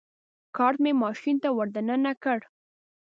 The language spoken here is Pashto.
کارټ مې ماشین ته ور دننه کړ.